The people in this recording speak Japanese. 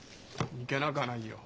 いけなくはないよ。